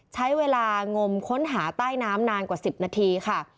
ใช้เวลางมค้นหาใต้น้ำนานกว่า๑๐นาทีค่ะ